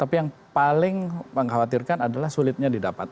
tapi yang paling mengkhawatirkan adalah sulitnya didapat